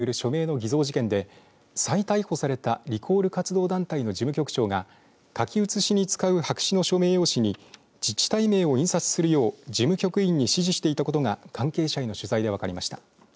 愛知県知事のリコール・解職請求をめぐる署名の偽造事件で再逮捕されたリコール活動団体の事務局長が書き写しに使う白紙の署名用紙に自治体名を印刷するよう事務局員に指示していたことが関係者への取材で分かりました。